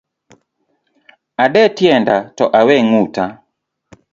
Ade tienda to awe nguta